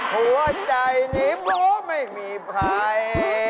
หัวใจนิบโบ๊ะไม่มีภัย